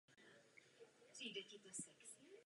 Studoval v Paříži a v Padově medicínu a filozofii.